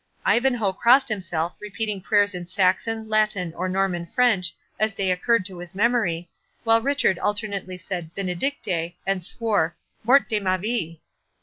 Ivanhoe crossed himself, repeating prayers in Saxon, Latin, or Norman French, as they occurred to his memory, while Richard alternately said, "Benedicite", and swore, "Mort de ma vie!"